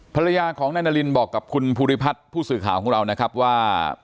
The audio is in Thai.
ภรรยาของนายนารินบอกกับคุณภูริพัฒน์ผู้สื่อข่าวของเรานะครับว่า